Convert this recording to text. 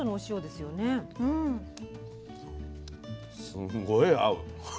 すごい合う。